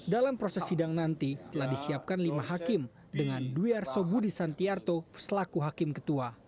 dalam proses sidang nanti telah disiapkan lima hakim dengan dwi arso budi santiarto selaku hakim ketua